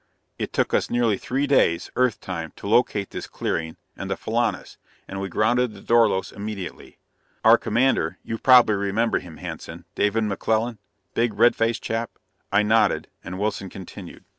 "It took us nearly three days, Earth time, to locate this clearing and the Filanus, and we grounded the Dorlos immediately. Our commander you probably remember him, Hanson: David McClellan? Big, red faced chap?" I nodded, and Wilson continued.